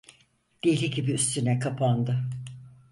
Deli gibi üstüne kapandı.